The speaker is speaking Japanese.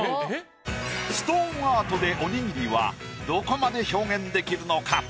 ストーンアートでおにぎりはどこまで表現できるのか？